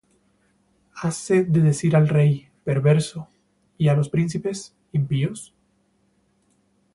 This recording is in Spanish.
¿Hase de decir al rey: Perverso; Y á los príncipes: Impíos?